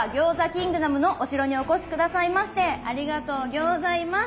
キングダムのお城にお越し下さいましてありがとうギョーザいます。